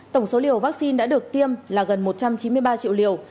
tổng số liều vaccine đã được tiêm là gần một trăm chín mươi ba triệu liều